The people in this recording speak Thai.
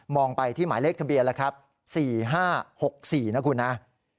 มองไปที่หมายเลขทะเบียนละครับ๔๕๖๔นะครับ